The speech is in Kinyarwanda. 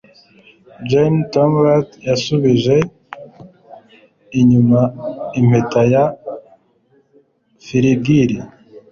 Jeanne Tourmont yasubije inyuma impeta ya filigree